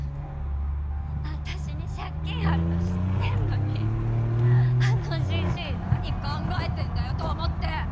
私に借金あるの知ってんのにあのジジイ何考えてんだよと思って！